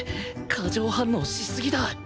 過剰反応しすぎだ